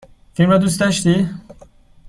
فیلم را دوست داشتی؟